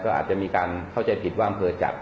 ก็อาจจะมีการเข้าใจผิดว่าอำเภอจัด